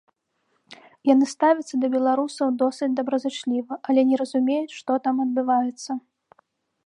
Яны ставяцца да беларусаў досыць добразычліва, але не разумеюць, што там адбываецца.